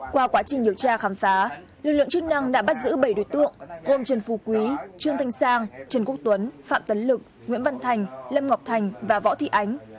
qua quá trình điều tra khám phá lực lượng chức năng đã bắt giữ bảy đối tượng gồm trần phú quý trương thanh sang trần quốc tuấn phạm tấn lực nguyễn văn thành lâm ngọc thành và võ thị ánh